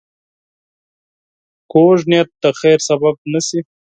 کوږ نیت د خیر سبب نه شي